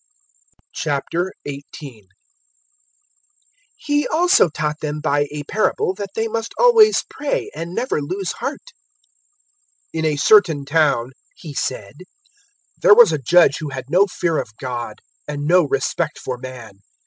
018:001 He also taught them by a parable that they must always pray and never lose heart. 018:002 "In a certain town," He said, "there was a judge who had no fear of God and no respect for man.